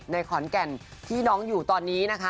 ในขอนแก่นที่น้องอยู่ตอนนี้นะคะ